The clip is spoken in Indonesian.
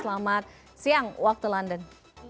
selamat siang walk to london